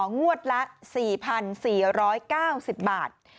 งวดละ๔๔๙๐บาท